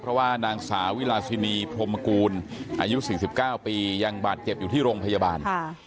เพราะว่านางสาวิลาซินีพรมกูลอายุ๔๙ปียังบาดเจ็บอยู่ที่โรงพยาบาล